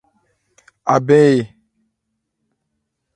Abɛn ɛ ?